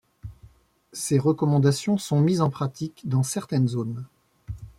Ses recommandations sont mises en pratique dans certaines zones.